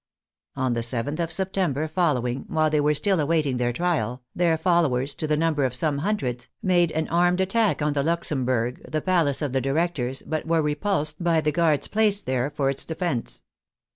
On the 7th of September following, while they were still awaiting their trial, their followers, to the number of some hundreds, made an armed attack on the Luxem bourg, the palace of the directors, but were repulsed by the guards placed there for its defence.